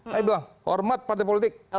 saya bilang hormat partai politik